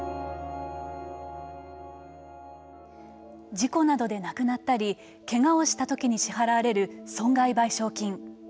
事故などで亡くなったりけがをしたときに支払われる損害賠償金。